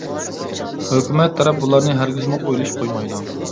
ھۆكۈمەت تەرەپ بۇلارنى ھەرگىزمۇ ئويلىشىپ قويمايدۇ.